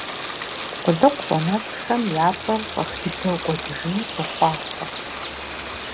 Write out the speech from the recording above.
Къулыкъу щӀэнэцӀхэм я цӀэр щӀэх дыдэ кӀуэдыжыну сохъуахъуэ!